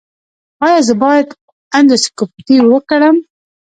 ایا زه باید اندوسکوپي وکړم؟